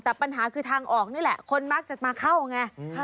แต่ปัญหาคือทางออกนี่แหละคนมักจะมาเข้าไง